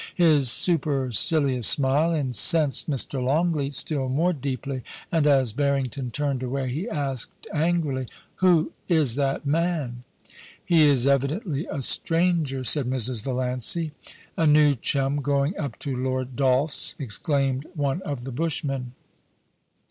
His supercilious smile incensed Mr. Longleat still more deeply, and as Barrington turned away he asked angrily :' Who is that man ?He is evidently a stranger,* said Mrs. Valiancy. * A new chum going up to Lord Dolph's,' explained bne of the bushmen.